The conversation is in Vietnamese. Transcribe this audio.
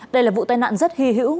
đây là vụ tai nạn rất hy hữu